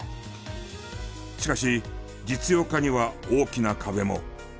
しかし実用化には大きな壁も。